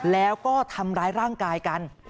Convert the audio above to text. แล้วก็ทำร้ายร่างกายกัน